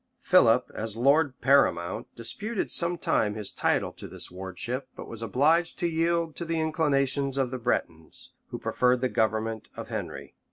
Philip, as lord paramount, disputed some time his title to this wardship; but was obliged to yield to the inclinations of the Bretons, who preferred the government of Henry.